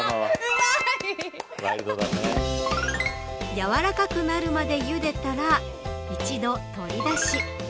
やわらかくなるまでゆでたら一度、取り出し